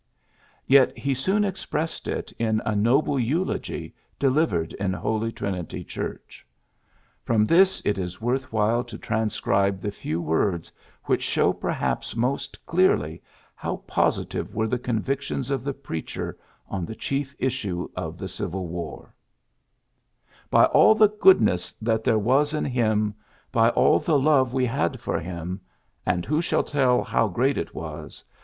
'' Yet he PHILLIPS BEOOKS 31 soon expressed it in a noble enlogy de livered in Holy Trinity Church. From this it is worth while to transcribe the few words which show perhaps most clearly how positive were the convictions of the preacher on the chief issue of the Civil War: ^^By all the goodness that there was in him, by all the love we had for him, and who shall tell how great it was?